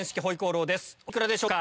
お幾らでしょうか？